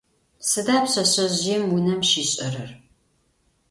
Сыда пшъэшъэжъыем унэм щишӏэрэр?